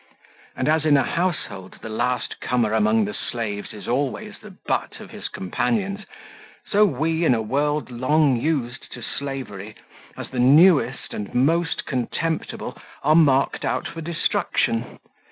And as in a household the last comer among the slaves is always the butt of his companions, so we in a world long used to slavery, as the newest and most contemptible, are marked out for destruction.